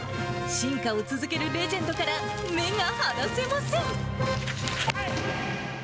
進化を続けるレジェンドから目が離せません。